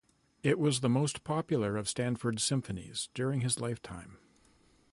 It was the most popular of Stanford's symphonies during his lifetime.